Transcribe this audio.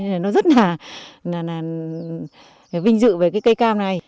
nên nó rất là vinh dự về cái cây cam này